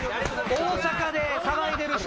大阪で騒いでる人。